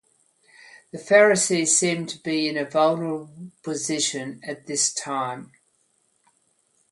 The Pharisees seemed to be in a vulnerable position at this time.